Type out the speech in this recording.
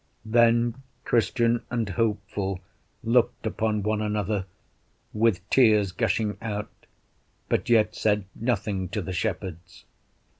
Then Christian and Hopeful looked upon one another, with tears gushing out, but yet said nothing to the shepherds.